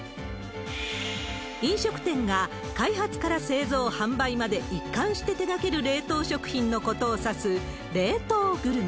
飲食店が、開発から製造、販売まで一貫して手がける冷凍食品のことを指す冷凍グルメ。